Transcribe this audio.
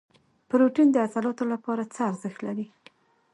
پروټین د عضلاتو لپاره څه ارزښت لري؟